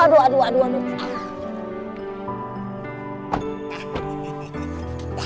aduh aduh aduh